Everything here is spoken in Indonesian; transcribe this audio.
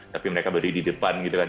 tapi mereka berdiri di depan gitu kan